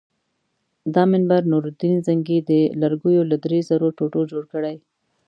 دا منبر نورالدین زنګي د لرګیو له درې زرو ټوټو جوړ کړی.